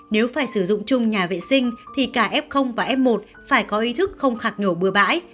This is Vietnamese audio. nếu phải sử dụng chung nhà vệ sinh thì cả f và f một phải có ý thức không khạc nhổ bừa bãi